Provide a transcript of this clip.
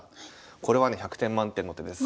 これはね１００点満点の手です。